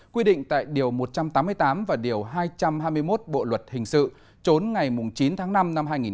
quy định tại điều một trăm tám mươi tám và điều hai trăm hai mươi một bộ luật hình sự trốn ngày chín tháng năm năm hai nghìn một mươi năm